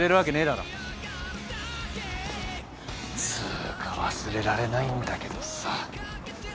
つうか忘れられないんだけどさ。